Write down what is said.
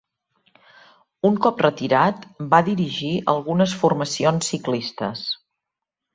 Un cop retirat va dirigir algunes formacions ciclistes.